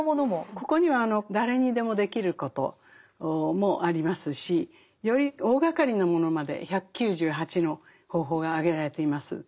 ここには誰にでもできることもありますしより大がかりなものまで１９８の方法が挙げられています。